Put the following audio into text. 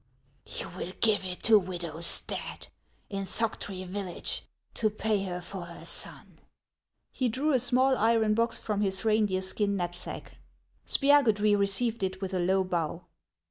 You will give it to widow Stadt, in Thoctree village, to pay her for her son." He drew a small iron box from his reindeer skin knap sack. Spiagudry received it with a low bow.